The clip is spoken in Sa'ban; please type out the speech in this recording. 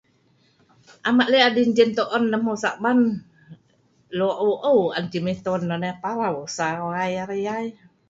Am ek lek adin jintoon nah hmeu saban. Lok aeu-aeu an ceh miton nonoh, paraw sawai arai yai.